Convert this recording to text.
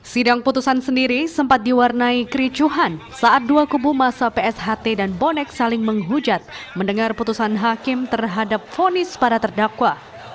sidang putusan sendiri sempat diwarnai kericuhan saat dua kubu masa psht dan bonek saling menghujat mendengar putusan hakim terhadap fonis para terdakwa